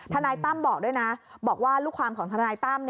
นายตั้มบอกด้วยนะบอกว่าลูกความของทนายตั้ม